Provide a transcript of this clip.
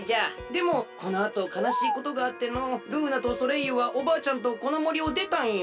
でもこのあとかなしいことがあってのうルーナとソレイユはおばあちゃんとこのもりをでたんよ。